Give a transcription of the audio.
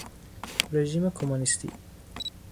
رژیم کمونیستی